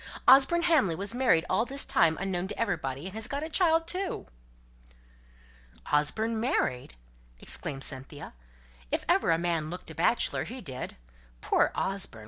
Osborne Hamley was married all this time unknown to everybody, and has got a child too." "Osborne married!" exclaimed Cynthia. "If ever a man looked a bachelor, he did. Poor Osborne!